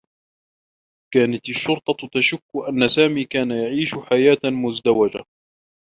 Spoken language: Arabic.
كانت الشّرطة تشكّ أنّ سامي كان يعيش حياة مزدوجة.